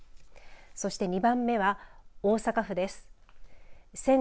そして２番目は大阪府です。